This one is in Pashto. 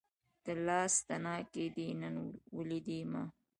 د لاس تڼاکې دې نن ولیدې ما